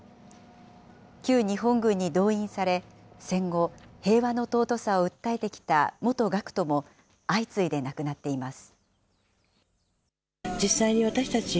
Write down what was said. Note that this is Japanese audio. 旧日本軍に動員され、戦後、平和の尊さを訴えてきた元学徒も、相次いで亡くなっています。